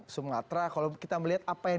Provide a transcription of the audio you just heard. sumatera kalau kita melihat apa yang